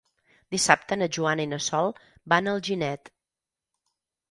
Dissabte na Joana i na Sol van a Alginet.